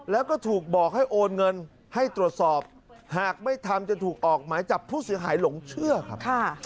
แล้วก็ถูกบอกให้โอนเงินให้ตรวจสอบหากไม่ทำจะถูกออกหมายจับผู้เสียหายหลงเชื่อครับ